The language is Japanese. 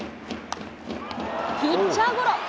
ピッチャーゴロ。